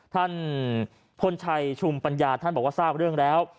ท่านพลชัยชุมปัญญาท่านบอกว่าทราบเรื่องแล้ว